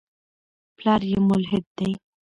پلار یې ملحد دی.